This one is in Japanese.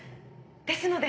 ですので。